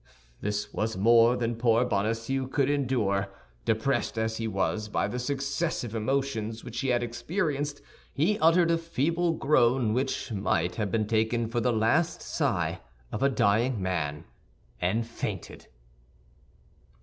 This was more than poor Bonacieux could endure, depressed as he was by the successive emotions which he had experienced; he uttered a feeble groan which might have been taken for the last sigh of a dying man, and fainted.